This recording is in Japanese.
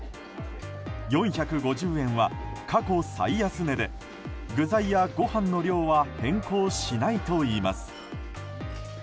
４５０円は過去最安値で具材やご飯の量は変更しないといいます。